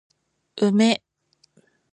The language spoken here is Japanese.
梅